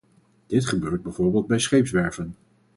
Dit gebeurt bijvoorbeeld bij scheepswerven.